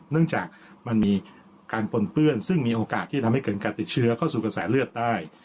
เนื่องจากมันมีการปนเปื้อนซึ่งมีโอกาสที่ทำให้เกิดการติดเชื้อเข้าสู่กระแสเลือดได้